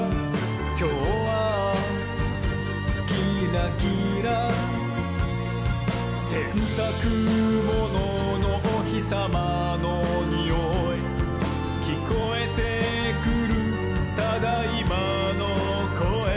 「きょうはキラキラ」「せんたくもののおひさまのにおい」「きこえてくる『ただいま』のこえ」